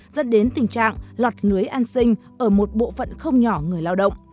dẫn đến tình trạng lọt nưới an sinh ở một bộ phận không nhỏ người lao động